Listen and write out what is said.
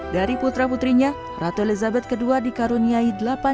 dari putra putrinya ratu elizabeth ii dikaruniai dalam